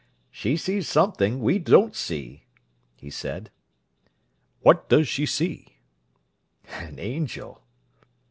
"She sees something that we don't see," he said. "What does she see?" "An angel."